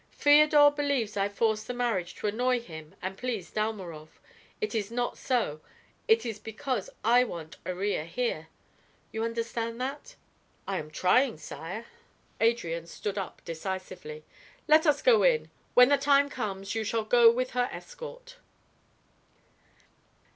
"Feodor believes I force the marriage to annoy him and please Dalmorov. It is not so; it is because I want Iría here. You understand that?" "I am trying, sire." Adrian stood up decisively. "Let us go in. When the time comes, you shall go with her escort."